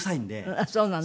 あっそうなの。